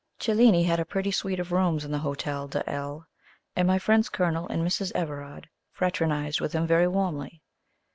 Cellini had a pretty suite of rooms in the Hotel de L , and my friends Colonel and Mrs. Everard fraternized with him very warmly.